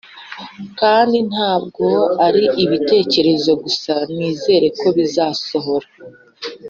kandi ntabwo ari ibitekerezo gusa nizere ko bizasohora